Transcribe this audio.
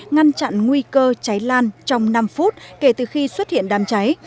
ngăn chặn nguy cơ cháy lan trong năm phút kể từ khi xuất hiện đám cháy